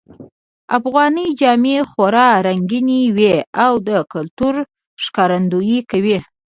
افغانۍ جامې خورا رنګینی وی او د کلتور ښکارندویې کوی